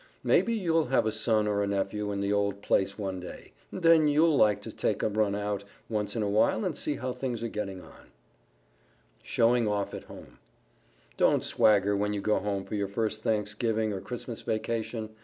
Maybe you'll have a son or a nephew in the old place one day; and then you'll like to take a run out, once in a while, and see how things are getting on. [Sidenote: SHOWING OFF AT HOME] Don't swagger when you go home for your first Thanksgiving or Christmas vacation.